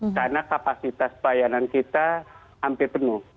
karena kapasitas bayaran kita hampir penuh